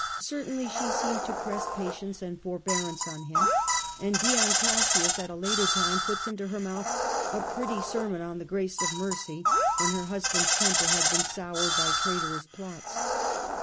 Certainly she seemed to press patience and forbearance on him, and Dion Cassius at a later time puts into her mouth a pretty sermon on the grace of mercy when her husband's temper had been soured by traitorous plots.